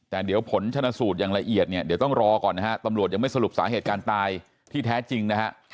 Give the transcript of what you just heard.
แต่เดี๋ยวผลชนะสูตรอย่างละเอียดเนี่ยเดี๋ยวต้องรอก่อนนะฮะตำรวจยังไม่สรุปสาเหตุการตายที่แท้จริงนะฮะ